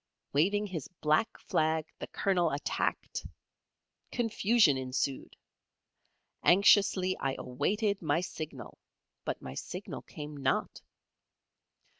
Waving his black flag, the Colonel attacked. Confusion ensued. Anxiously I awaited my signal, but my signal came not.